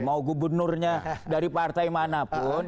mau gubernurnya dari partai mana pun